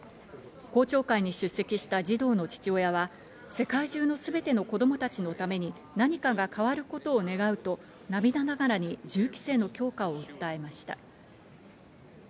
公聴会に出席した児童の父親は、世界中のすべての子供たちのために何かが変わることを願うと、涙ながらに銃規制の強化を訴えました。